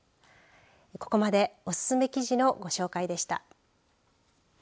ここまでおすすめ記事のご紹介でした。